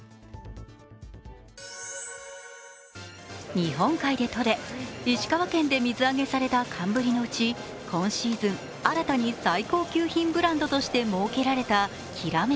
日本海でとれ、石川県で水揚げされた寒ぶりのうち今シーズン、新たに高級品ブランドとして設けられた煌。